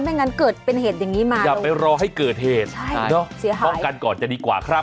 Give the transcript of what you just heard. งั้นเกิดเป็นเหตุอย่างนี้มาอย่าไปรอให้เกิดเหตุใช่เนอะเสียหายป้องกันก่อนจะดีกว่าครับ